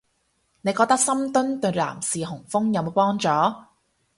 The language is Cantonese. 你覺得深蹲對男士雄風有冇幫助